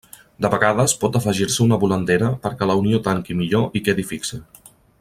De vegades pot afegir-se una volandera perquè la unió tanqui millor i quedi fixa.